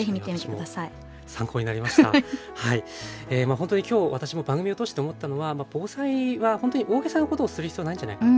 本当に今日私も番組を通して思ったのは防災は本当に大げさなことをする必要はないんじゃないかな。